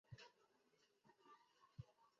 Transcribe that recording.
陈演是天启二年壬戌进士。